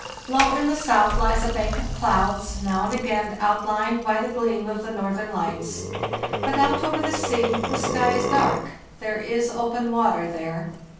Low in the south les a bank of clouds, now and again outlined by the gleam of the northern lights; but out over the sea the sky is dark; there is open water there.